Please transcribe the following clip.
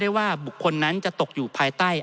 ท่านประธานครับนี่คือสิ่งที่สุดท้ายของท่านครับ